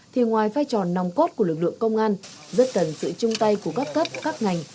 thì ngoài vai trò nòng cốt của lực lượng công an rất cần sự chung tay của các cấp các ngành